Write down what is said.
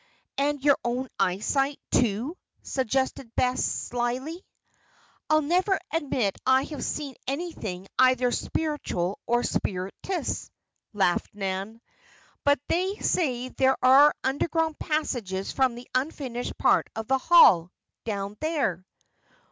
"And your own eyesight, too?" suggested Bess, slily. "I'll never admit I have seen anything either spiritual or spirituous," laughed Nan. "But they say there are underground passages from the unfinished part of the Hall, down there."